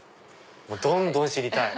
どんどん知りたい！